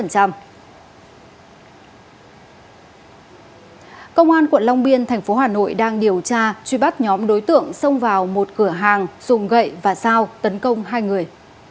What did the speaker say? công an quận long biên thành phố hà nội đang điều tra truy bắt nhóm đối tượng xông vào một cửa hàng dùng gậy và dao tấn công hai người